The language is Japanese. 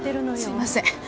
すいません。